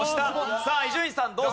さあ伊集院さんどうぞ。